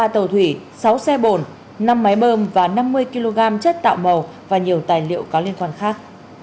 ba tàu thủy sáu xe bồn năm máy bơm và năm mươi kg chất tạo màu và nhiều tài liệu có liên quan khác